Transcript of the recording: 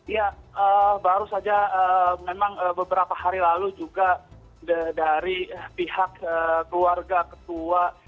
ya baru saja memang beberapa hari lalu juga dari pihak keluarga ketua